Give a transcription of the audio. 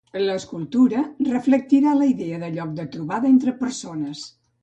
L'escultura reflectirà la idea de lloc de trobada entre persones.